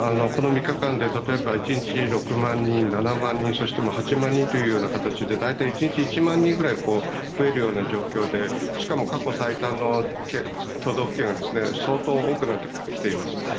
この３日間で１日で６万人、７万人そして８万人という形で大体１日１万人ぐらい増えるような状況でしかも過去最多の都道府県が相当多くなってきています。